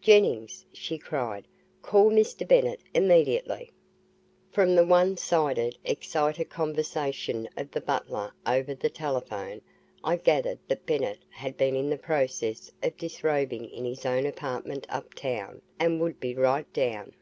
"Jennings," she cried, "Call Mr. Bennett immediately!" From the one sided, excited conversation of the butler over the telephone, I gathered that Bennett had been in the process of disrobing in his own apartment uptown and would be right down.